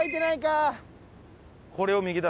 これを右だ。